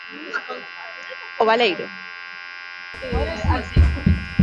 O baleiro.